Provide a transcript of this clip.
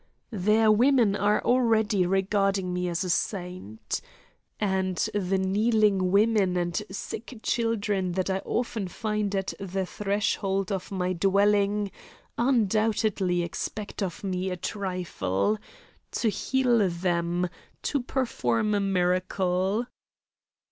Their women are already regarding me as a saint. And the kneeling women and sick children that I often find at the threshold of my dwelling undoubtedly expect of me a trifle to heal them, to perform a miracle.